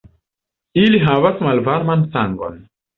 Ili havas malvarman sangon.